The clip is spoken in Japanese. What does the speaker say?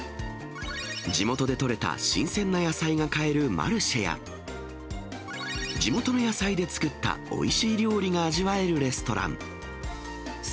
地元で取れた新鮮な野菜が買えるマルシェや、地元の野菜で作ったおいしい料理が味わえるレストラン。